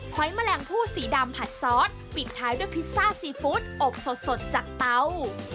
อยแมลงผู้สีดำผัดซอสปิดท้ายด้วยพิซซ่าซีฟู้ดอบสดจากเตา